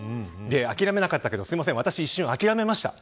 諦めなかったけど、すみません私、一瞬諦めました。